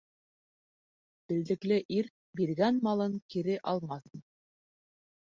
Белдекле ир биргән малын кире алмаҫ.